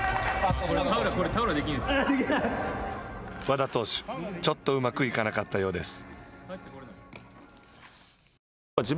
和田投手、ちょっとうまくいかなかったようです。